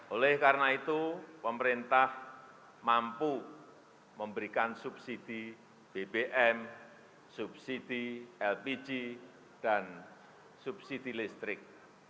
oleh karena itu pemerintah mampu memberikan subsidi bbm subsidi lpg dan subsidi listrik